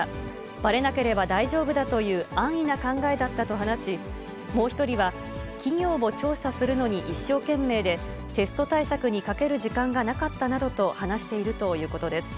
ばれなければ大丈夫だという安易な考えだったと話し、もう１人は、企業を調査するのに一生懸命で、テスト対策にかける時間がなかったなどと話しているということです。